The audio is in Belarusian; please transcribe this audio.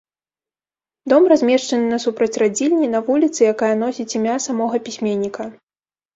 Дом размешчаны насупраць радзільні на вуліцы, якая носіць імя самога пісьменніка.